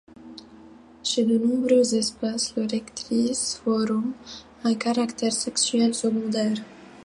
Chez de nombreuses espèces, les rectrices forment un caractère sexuel secondaire.